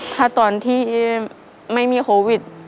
ถ้าตอนที่ไม่มีโควิด